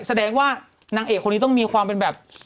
แสดงว่านางเอกคนนี้ต้องมีความเป็นแบบ